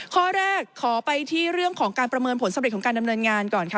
ข้อแรกขอไปที่เรื่องของการประเมินผลสำเร็จของการดำเนินงานก่อนค่ะ